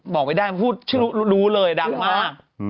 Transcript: บอกไม่ได้พูดชื่อรู้เลยดังมาก